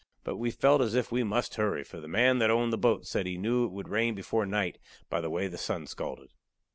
But we felt as if we must hurry, for the man that owned the boat said he knew it would rain before night by the way the sun scalded.